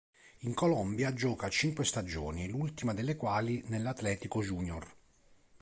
In Colombia gioca cinque stagioni, l'ultima delle quali nell'Atletico Junior.